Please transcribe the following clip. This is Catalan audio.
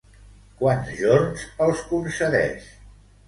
Quants jorns els concedeix?